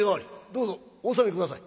どうぞお納め下さい」。